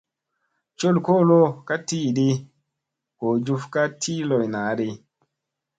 Col kolo ka tiiɗi ,goo juf ka tii loy naaɗi.